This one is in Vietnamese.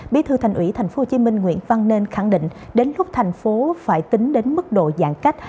bí thư thành ủy tp hcm nguyễn văn nên khẳng định đến lúc thành phố phải tính đến mức độ giãn cách